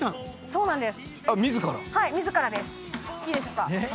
そうなんです。